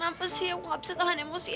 kenapa sih aku gak bisa tahan emosi